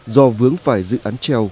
do vướng phải dự án treo